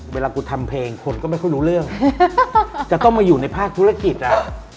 เวลากูทำเพลงคนก็ไม่ค่อยรู้เรื่องจะต้องมาอยู่ในภาคธุรกิจอ่ะ